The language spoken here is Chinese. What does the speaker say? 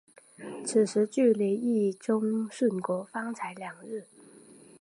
此时距离毅宗殉国方才两日。